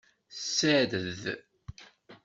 Tessared.